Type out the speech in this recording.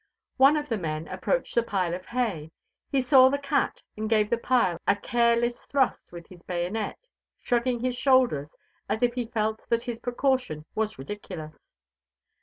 One of the men approached the pile of hay. He saw the cat, and gave the pile a careless thrust with his bayonet, shrugging his shoulders as if he felt that his precaution was ridiculous.